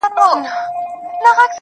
راسه يوار راسه صرف يوه دانه خولگۍ راكړه_